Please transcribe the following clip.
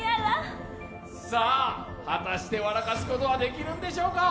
さあ、果たして笑かすことはできるんでしょうか？